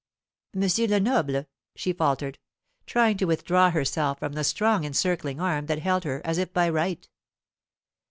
"M. Lenoble," she faltered, trying to withdraw herself from the strong encircling arm that held her, as if by right.